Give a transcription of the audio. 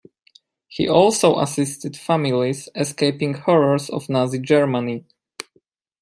He also assisted families escaping horrors of Nazi Germany.